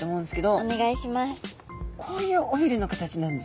お願いします。